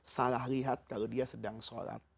salah lihat kalau dia sedang sholat